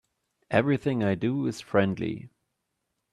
Everything I do is friendly.